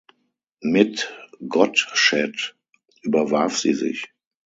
Mit Gottsched überwarf sie sich.